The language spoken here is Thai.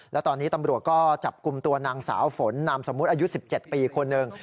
แล้วตอนนี้ตำรวจก็จับกลุ่มตัวนางสาวฝนนามสมมุติอายุ๑๗ปีคนหนึ่ง